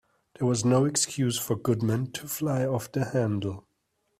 There was no excuse for Goodman to fly off the handle.